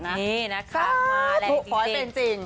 นี่นะคะมาแล้วขอให้เป็นจริง